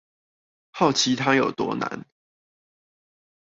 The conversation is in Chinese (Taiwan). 好奇他有多難